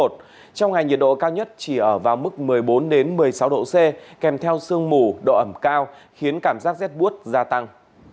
trong ngày nhiệt độ cao nhất chỉ ở vào mức một mươi bốn một mươi sáu độ c kèm theo sương mù độ ẩm cao khiến cảm giác rét bút gia tăng